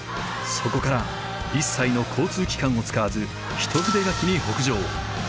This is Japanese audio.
そこから一切の交通機関を使わず一筆書きに北上。